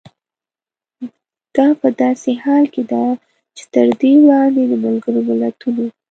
دا په داسې حال کې ده چې تر دې وړاندې د ملګرو ملتونو